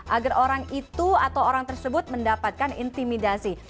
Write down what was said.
agar orang itu atau orang tersebut mendapatkan intimidasi